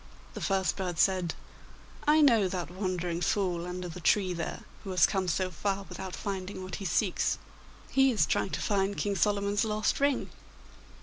The first bird said: 'I know that wandering fool under the tree there, who has come so far without finding what he seeks. He is trying to find King Solomon's lost ring.